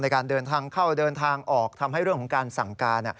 การเดินทางเข้าเดินทางออกทำให้เรื่องของการสั่งการ